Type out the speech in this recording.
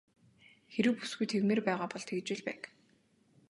Хэрэв бүсгүй тэгмээр байгаа бол тэгж л байг.